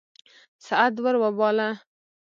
سعد ور وباله.